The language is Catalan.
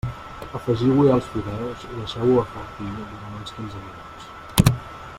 Afegiu-hi els fideus i deixeu-ho a foc viu durant uns quinze minuts.